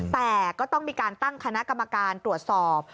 แต่ก็ต้องมีการตั้งคณะกรรมการตรวจสอบ